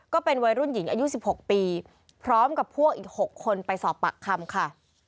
ก็เป็นวัยรุ่นหญิงอายุ๑๖ปีพร้อมกับพวกอีก๖คนไปสอบปากคำค่ะ